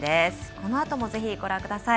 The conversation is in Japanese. このあともぜひ、ご覧ください。